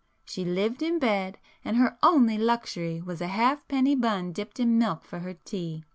She lived in bed, and her only luxury was a halfpenny bun dipped in milk for her tea.